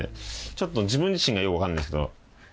ちょっと自分自身がよくわかんないですけど。